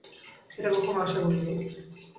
এটা কখনো আশা করিনি।